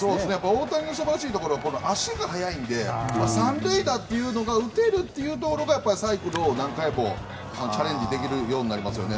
大谷の素晴らしいところは足が速いので３塁打というのが打てるところがサイクルを何回もチャレンジできるようになりますよね。